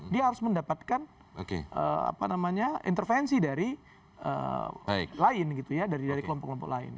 dia harus mendapatkan intervensi dari kelompok kelompok lain